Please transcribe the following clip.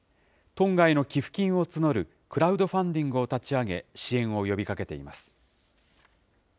トンガへの寄付金を募るクラウドファンディングを立ち上げ、支援を呼びかけています。